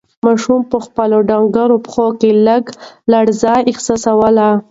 ماشوم په خپلو ډنگرو پښو کې لږه لړزه احساسوله.